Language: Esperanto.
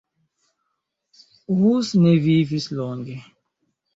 Hus ne vivis longe.